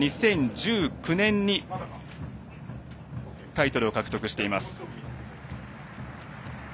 ２０１９年にタイトルを獲得しています。